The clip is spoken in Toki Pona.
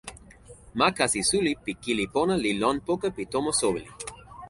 ma kasi suli pi kili pona li lon poka pi tomo soweli!